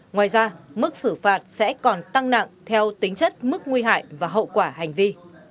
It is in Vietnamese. ngoài ra mức xử phạt sẽ còn tăng nặng theo tính chất mức nguy hại và hậu quả hành vi